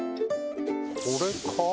これか？